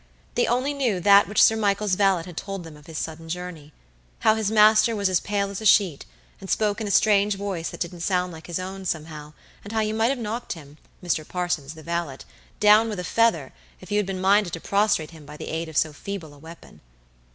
They only knew that which Sir Michael's valet had told them of this sudden journey. How his master was as pale as a sheet, and spoke in a strange voice that didn't sound like his own, somehow, and how you might have knocked himMr. Parsons, the valetdown with a feather, if you had been minded to prostrate him by the aid of so feeble a weapon.